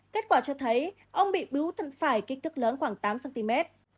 kết quả cho thấy ông bị bú thật phải kích thức lớn khoảng tám cm